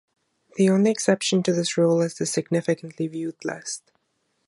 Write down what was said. The only exception to this rule is the "significantly viewed" list.